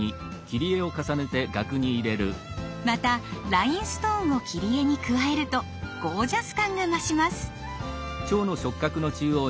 またラインストーンを切り絵に加えるとゴージャス感が増します。